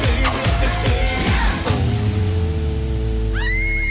วิทยาลัยอัลฟ้า